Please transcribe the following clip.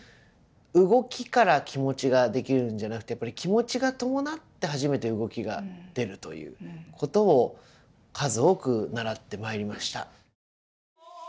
動きから気持ちが出来るんじゃなくてやっぱり気持ちが伴って初めて動きが出るということを数多く習ってまいりました。